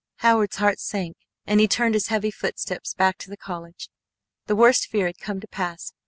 Howard's heart sank and he turned his heavy footsteps back to college. The worst fear had come to pass.